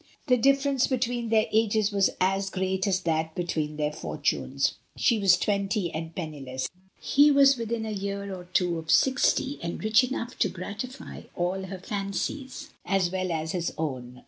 The difference between their ages was as great as that between their fortunes: she was twenty and penni less, he was within a year or two of sixty and rich enough to gratify all her fancies, as well as his own.